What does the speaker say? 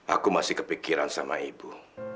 aku masih kepikiran sama ibu